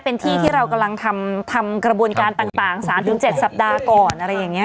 เป็นที่ที่เรากำลังทำทำกระบวนการต่างต่างสามถึงเจ็ดสัปดาห์ก่อนอะไรอย่างเงี้ย